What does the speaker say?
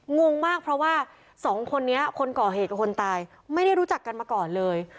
งงมากเพราะว่าสองคนนี้คนก่อเหตุกับคนตายไม่ได้รู้จักกันมาก่อนเลย